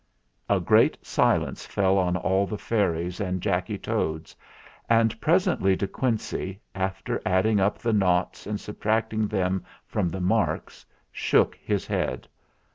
A great silence fell on all the fairies and Jacky Toads, and presently De Quincey, after adding up the noughts and subtracting them from the marks, shook his head.